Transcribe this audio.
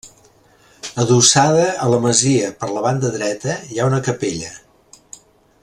Adossada a la masia per la banda dreta hi ha una capella.